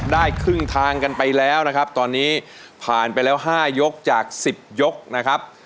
ได้ครึ่งทางกันไปแล้วนะครับตอนนี้ผ่านไปแล้ว๕ยกจาก๑๐ยกนะครับ